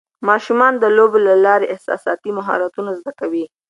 ماشومان د لوبو له لارې احساساتي مهارتونه زده کوي.